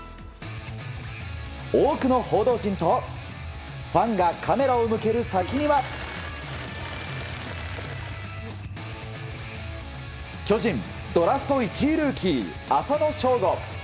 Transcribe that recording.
多くの報道陣とファンがカメラを向ける先には巨人ドラフト１位ルーキー浅野翔吾。